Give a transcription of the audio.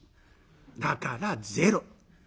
だからゼロ。